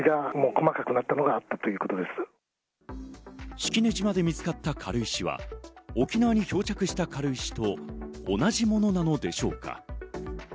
式根島で見つかった軽石は沖縄に漂着した軽石と同じものなのでしょうか？